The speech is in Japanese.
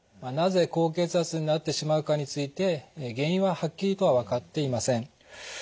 なぜ高血圧になってしまうかについて原因ははっきりとは分かっていません。